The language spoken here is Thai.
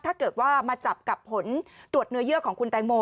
ถ้าเกิดว่ามาจับกับผลตรวจเนื้อเยื่อของคุณแตงโม